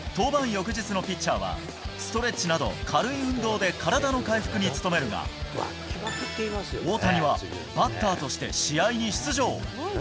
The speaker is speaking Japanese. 翌日のピッチャーは、ストレッチなど、軽い運動で体の回復に努めるが、大谷は、バッターとして試合に出場。